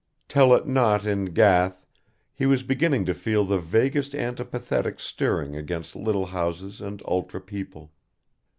Tell it not in Gath, he was beginning to feel the vaguest antipathetic stirring against little houses and ultra people.